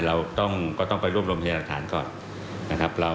เราก็ต้องไปรวมรวมในรักฐานก่อน